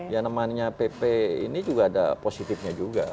yang namanya pp ini juga ada positifnya juga